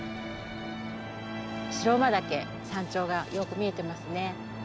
白馬岳山頂がよく見えてますね。